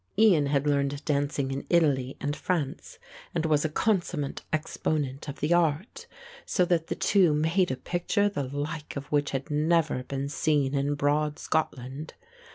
Ian had learned dancing in Italy and France and was a consummate exponent of the art, so that the two made a picture the like of which had never been seen in broad Scotland.